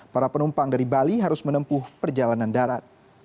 para penumpang dari bali harus menempuh perjalanan darat